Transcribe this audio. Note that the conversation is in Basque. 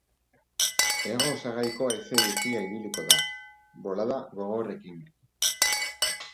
Hego-osagaiko haize bizia ibiliko da, bolada gogorrekin.